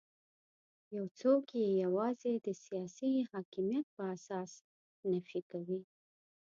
یو څوک یې یوازې د سیاسي حاکمیت په اساس نفي کوي.